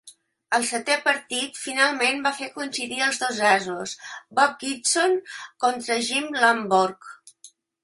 El setè partit finalment va fer coincidir als dos asos: Bob Gibson contra Jim Lonborg.